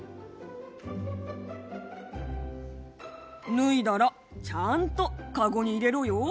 ぬいだらちゃんとかごにいれろよ。